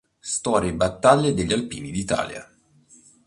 Storia e battaglie degli alpini d'Italia".